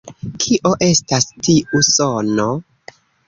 Kio estas tiu sono?